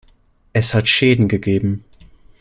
Es hat Schäden gegeben.